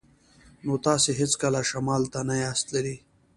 نو تاسې هیڅکله شمال ته نه یاست تللي